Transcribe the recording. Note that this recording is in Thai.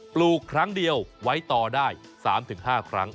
ลูกครั้งเดียวไว้ต่อได้๓๕ครั้ง